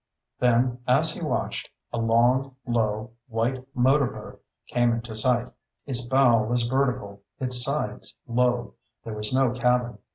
Then, as he watched, a long, low, white motorboat came into sight. Its bow was vertical, its sides low. There was no cabin.